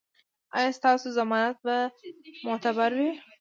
ایا ستاسو ضمانت به معتبر وي؟